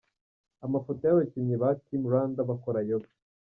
Amafoto y’abakinnyi ba Team Rwanda bakora Yoga.